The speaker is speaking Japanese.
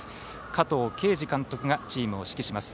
加藤慶二監督がチームを指揮します。